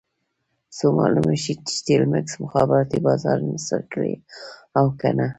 څو معلومه شي چې ټیلمکس مخابراتي بازار انحصار کړی او که نه.